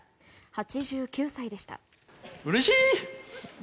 ８９歳でした。